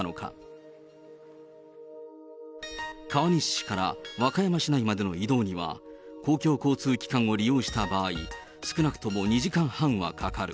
市から和歌山市内までの移動には、公共交通機関を利用した場合、少なくとも２時間半はかかる。